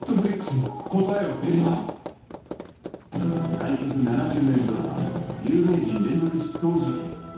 開局７０年ドラマ、有名人連続失踪事件。